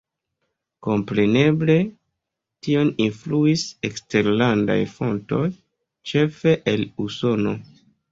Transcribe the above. Kompreneble tion influis eksterlandaj fontoj, ĉefe el Usono.